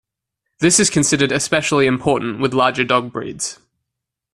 This is considered especially important with larger dog breeds.